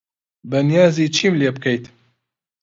بەنیازی چیم لێ بکەیت؟